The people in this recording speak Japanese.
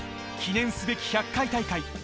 記念すべき１００回大会。